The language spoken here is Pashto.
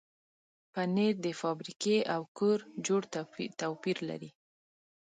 پنېر د فابریکې او کور جوړ توپیر لري.